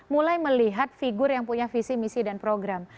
mulai melihat figur yang punya visi misi dan program